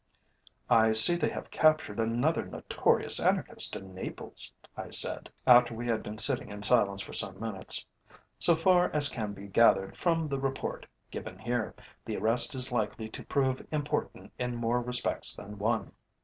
"I see they have captured another notorious anarchist in Naples," I said, after we had been sitting in silence for some minutes. "So far as can be gathered from the report given here, the arrest is likely to prove important in more respects than one."